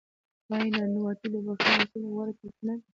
آیا نانواتې د بخښنې غوښتلو غوره طریقه نه ده؟